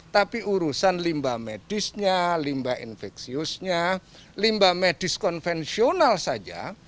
tapi urusan limbah medisnya limbah infeksiusnya limbah medis konvensional saja